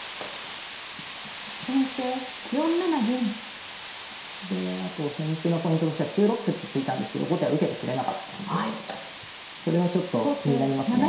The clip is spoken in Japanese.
先手４七銀。であと先手のポイントとしては９六歩って突いたんですけど後手は受けてくれなかったんでそれはちょっと気になりますね。